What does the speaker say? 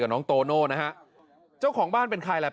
น้องโตโน่นะฮะเจ้าของบ้านเป็นใครแหละ